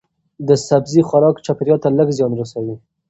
د سبزی خوراک چاپیریال ته لږ زیان رسوي.